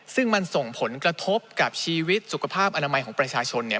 ซึ่งมันส่งผลกระทบกับชีวิตสุขภาพอนามัยของประชาชนเนี่ย